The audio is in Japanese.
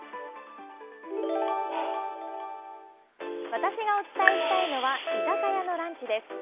私がお伝えしたいのは居酒屋のランチです。